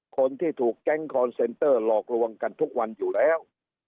คนที่ถูกแก๊งคอนเซนเตอร์หลอกลวงกันทุกวันอยู่แล้ว